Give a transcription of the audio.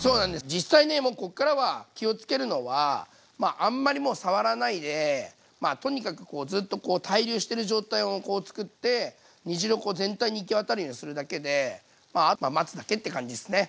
実際ねもうこっからは気をつけるのはあんまりもう触らないでとにかくずっと対流してる状態を作って煮汁を全体に行き渡るようにするだけであとは待つだけって感じですね。